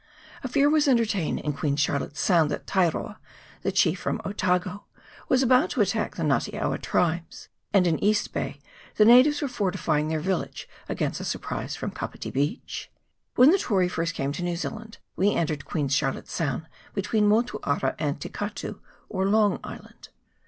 A fear was entertained in Queen Charlotte's Sound that Tairoa, the chief from Otago, was about to attack the Nga te awa tribes ; and in East Bay the natives were fortifying their village against a surprise from Kapiti Beach. When the Tory first came to New Zealand we entered Queen Charlotte's Sound between Motuara and Te Katu, or Long Island.